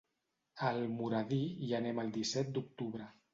A Almoradí hi anem el disset d'octubre.